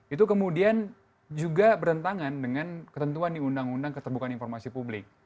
itu kemudian juga bertentangan dengan ketentuan di undang undang keterbukaan informasi publik